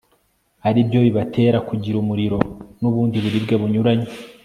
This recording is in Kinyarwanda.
ari byo bibatera kugira umuriro nubundi buribwe bunyuranye